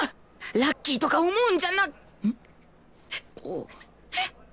ラッキーとか思うんじゃなん？